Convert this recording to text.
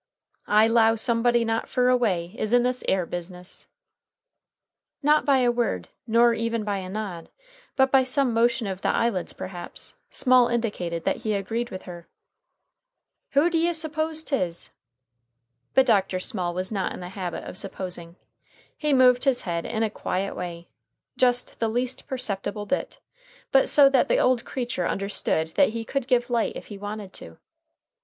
"I 'low somebody not fur away is in this 'ere business!" Not by a word, nor even by a nod, but by some motion of the eyelids, perhaps, Small indicated that he agreed with her. "Who d'ye s'pose 'tis?" But Dr. Small was not in the habit of supposing. He moved his head in a quiet way, just the least perceptible bit, but so that the old creature understood that he could give light if he wanted to.